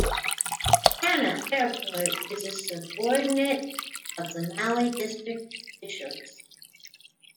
Hana Airport is a subordinate of the Maui District officials.